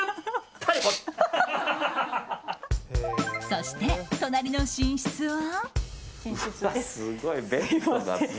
そして、隣の寝室は。